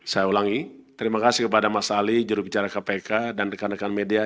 saya ulangi terima kasih kepada mas ali jurubicara kpk dan rekan rekan media